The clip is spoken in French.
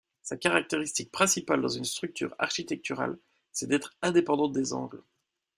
Sa caractéristique principale dans une structure architecturale, c'est d'être indépendante des angles.